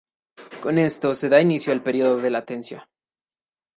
Con esto se da inicio al periodo de latencia.